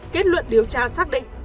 kết luận điều tra xác định